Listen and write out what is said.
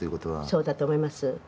そうだと思います。